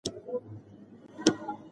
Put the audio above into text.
موږ باید له خپلو ښوونکو څخه مننه وکړو.